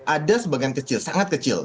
ada sebagian kecil sangat kecil